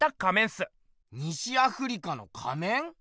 西アフリカの仮面？